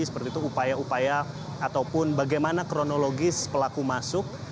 seperti itu upaya upaya ataupun bagaimana kronologis pelaku masuk